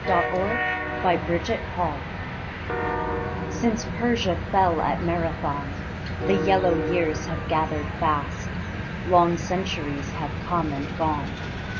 Villanelle of Change Since Persia fell at Marathon, The yellow years have gathered fast: Long centuries have come and gone.